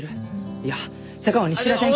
いや佐川に知らせんと！